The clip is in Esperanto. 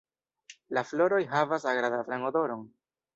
La floroj havas agrablan odoron.